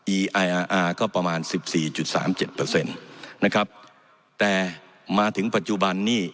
ไออาร์ก็ประมาณสิบสี่จุดสามเจ็ดเปอร์เซ็นต์นะครับแต่มาถึงปัจจุบันนี้